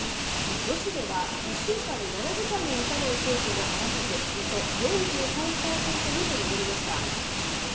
女子では、１週間に７時間に満たない生徒が合わせておよそ４３％にも上りました。